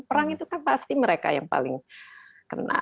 perang itu kan pasti mereka yang paling kena